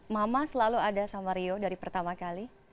mama selalu ada sama rio dari pertama kali